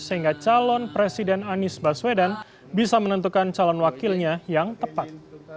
sehingga calon presiden anies baswedan bisa menentukan calon wakilnya yang tepat